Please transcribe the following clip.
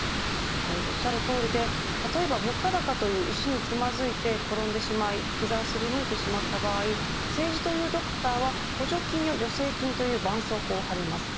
おっしゃるとおりで、例えば物価高という石につまずいて転んでしまい膝をすりむいてしまった場合政治というドクターは補助金や助成金というばんそうこうを貼ります。